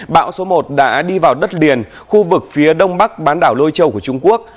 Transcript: bão số một đã đi vào đất liền khu vực phía đông bắc bán đảo lôi châu của trung quốc